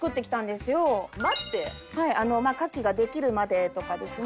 牡蠣ができるまでとかですね。